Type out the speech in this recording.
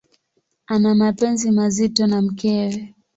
Ana mapenzi mazito na mkewe.